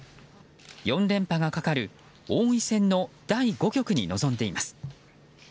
４連覇がかかる王位戦の第５局に臨んでいます。